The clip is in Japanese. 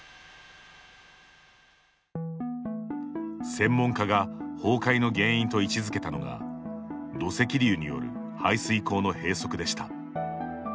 専門家が崩壊の原因と位置づけたのが土石流による排水溝の閉塞でした。